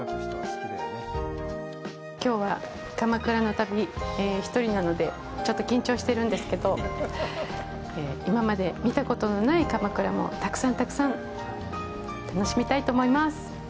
きょうは鎌倉の旅、１人なのでちょっと緊張してるんですけど今まで見たことのない鎌倉もたくさんたくさん楽しみたいと思います。